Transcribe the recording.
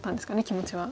気持ちは。